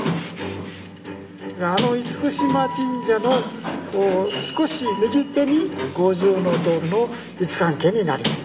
あの嚴島神社の少し右手に五重塔の位置関係になります。